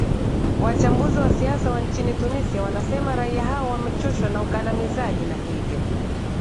wachambuzi wa siasa wa nchini tunisia wanasema raia hao wamechoshwa na ukandamizaji na hivyo